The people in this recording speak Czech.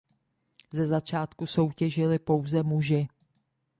Ze začátku soutěžili pouze muži.